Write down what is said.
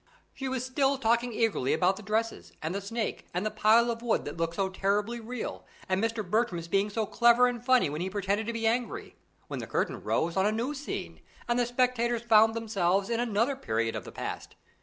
She was still talking eagerly about the dresses, and the snake, and the pile of wood that looked so terribly real, and Mr. Bertram's being so clever and funny when he pretended to be angry, when the curtain rose on a new scene, and the spectators found themselves in another period of the past.